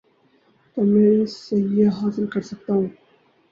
تو میں اس سے یہ حاصل کر سکتا ہوں۔